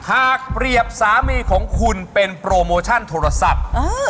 หากเปรียบสามีของคุณเป็นโปรโมชั่นโทรศัพท์